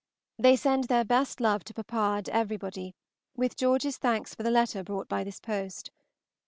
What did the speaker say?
They send their best love to papa and everybody, with George's thanks for the letter brought by this post.